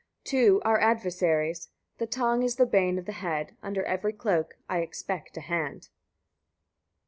73. Two are adversaries: the tongue is the bane of the head: under every cloak I expect a hand.